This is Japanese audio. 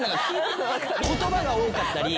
言葉が多かったり。